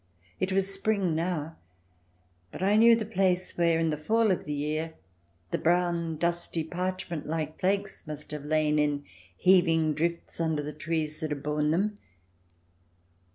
It was spring now, but I knew the place where, in the fall of the year, the brown, dusty, parchment like flakes must have lain in heaving drifts under the trees that had borne them.